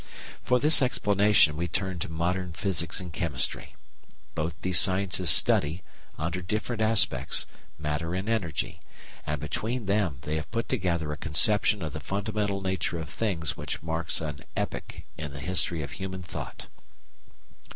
For this explanation we turn to modern Physics and Chemistry. Both these sciences study, under different aspects, matter and energy; and between them they have put together a conception of the fundamental nature of things which marks an epoch in the history of human thought.